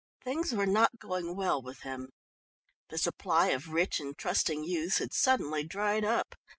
Things were not going well with him; the supply of rich and trusting youths had suddenly dried up.